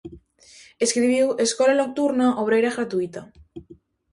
Escribiu "Escola Nocturna Obreira Gratuíta".